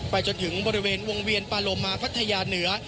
ไปจนถึงบริเวณวงเวียนที่โปรโมมภัทยาเหนือ